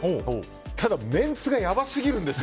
ただ、メンツがやばすぎるんですよ。